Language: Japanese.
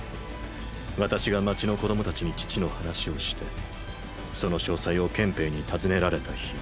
私が街の子供たちに父の話をしてその詳細を憲兵に尋ねられた日。